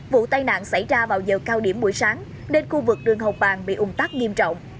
vụ tai nạn xảy ra vào giờ cao điểm buổi sáng nên khu vực đường hồng bàng bị ung tắc nghiêm trọng